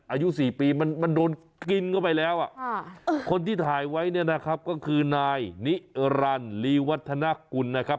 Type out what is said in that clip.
อายุ๔ปีมันโดนกินเข้าไปแล้วคนที่ถ่ายไว้เนี่ยนะครับก็คือนายนิรันดิวัฒนากุลนะครับ